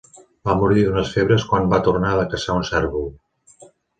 Va morir d'unes febres quan va tornar de caçar un cérvol.